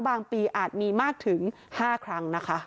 ปีอาจมีมากถึง๕ครั้งนะคะ